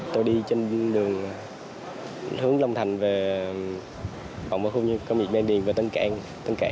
tôi đi trên đường hướng long thành về phòng khu công nghiệp giang điền và tân cảng